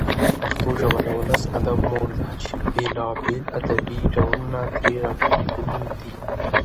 پښتو ژبه د ولسي ادب مور ده چي بېلابېل ادبي ډولونه ترې راټوکېدلي دي.